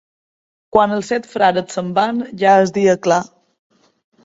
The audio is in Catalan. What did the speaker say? Quan els set frares se'n van, ja és dia clar.